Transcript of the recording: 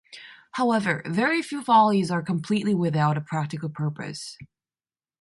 However, very few follies are completely without a practical purpose.